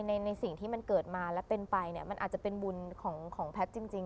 ในสิ่งที่มันเกิดมาและเป็นไปเนี่ยมันอาจจะเป็นบุญของแพทย์จริง